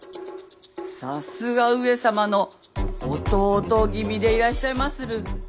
さすが上様の弟君でいらっしゃいまする。